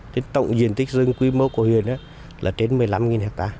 đến tổng diện tích rừng